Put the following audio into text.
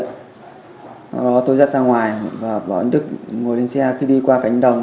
sau đó tôi giặt ra ngoài và bảo anh đức ngồi lên xe khi đi qua cánh đồng